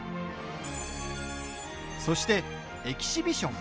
そして、エキシビション。